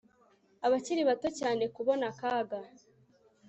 abakiri bato cyane kubona akaga